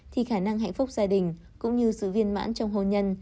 thì khả năng hạnh phúc gia đình cũng như sự viên mãn trong hôn nhân